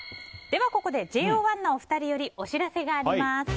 ここでＪＯ１のお二人よりお知らせがあります。